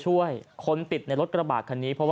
ช่วยกันเร็ว